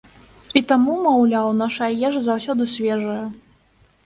І таму, маўляў, нашая ежа заўсёды свежая.